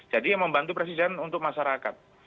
jadi ya membantu presiden untuk masyarakat